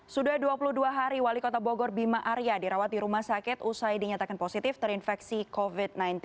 sudah dua puluh dua hari wali kota bogor bima arya dirawat di rumah sakit usai dinyatakan positif terinfeksi covid sembilan belas